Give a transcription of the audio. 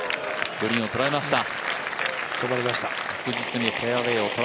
グリーンを捉えました。